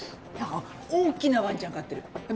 あっ大きなワンちゃん飼ってるあっ